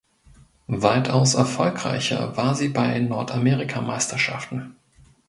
Weitaus erfolgreicher war sie bei Nordamerikameisterschaften.